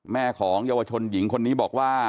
แม่ของเยาวชนหญิงคนนี้บอกว่า